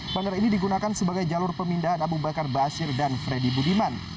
bandar ini digunakan sebagai jalur pemindahan abu bakar basir dan freddy budiman